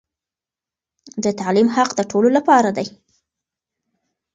د تعليم حق د ټولو لپاره دی.